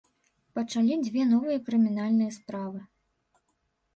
Пачалі дзве новыя крымінальныя справы.